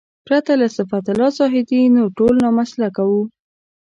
پرته له صفت الله زاهدي نور ټول نامسلکه وو.